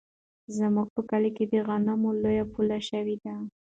زموږ په کلي کې د غنمو لو پیل شوی دی.